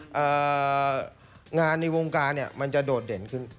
อ่างานในวงการเราเดาดเหมือนคืน